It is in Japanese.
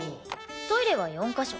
トイレは４カ所。